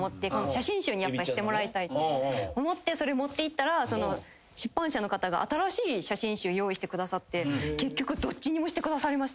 写真集にしてもらいたいと思ってそれ持っていったら出版社の方が新しい写真集用意してくださって結局どっちにもしてくださりました。